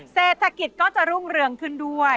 เศรษฐกิจก็จะรุ่งเรืองขึ้นด้วย